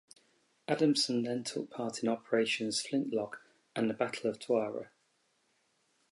Adamson then took part in Operations Flintlock and the Battle of Tarawa.